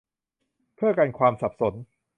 เพื่อกันความสับสน